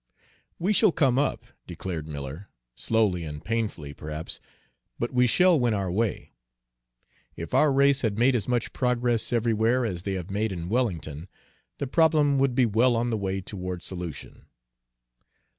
"We shall come up," declared Miller; "slowly and painfully, perhaps, but we shall win our way. If our race had made as much progress everywhere as they have made in Wellington, the problem would be well on the way toward solution."